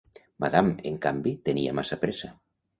Madame, en canvi, tenia massa pressa.